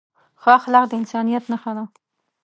ښه اخلاق د انسانیت نښه ده.